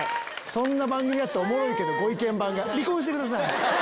そんな番組あったらおもろいけどご意見番が「離婚してください」。